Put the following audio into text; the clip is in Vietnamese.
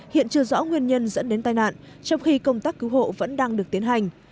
hiện chưa rõ nguyên nhân dẫn đến tai nạn